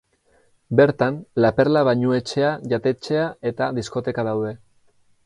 Bertan, La Perla bainuetxea, jatetxea eta diskoteka daude.